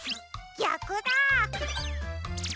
ぎゃくだ。